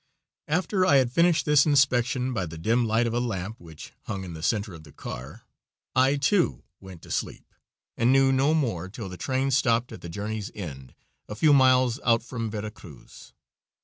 After I had finished this inspection by the dim light of a lamp which hung in the center of the car, I too went to sleep, and knew no more till the train stopped at the journey's end, a few miles out from Vera Cruz.